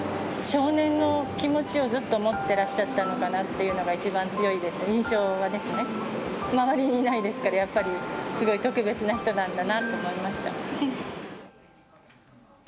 少年の気持ちをずっと持ってらっしゃったのかなっていうのが一番強いです、印象がですね、周りにいないですから、やっぱり、すごい特別な人なんだなと思いました。